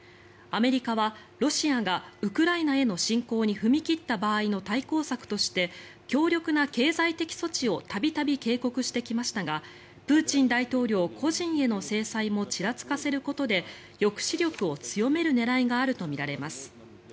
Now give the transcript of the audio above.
アメリカはロシアがウクライナへの侵攻に踏み切った場合の対抗策として強力な経済的措置を度々警告してきましたがプーチン大統領個人への制裁もちらつかせることで抑止力を強める狙いがあるとみられます。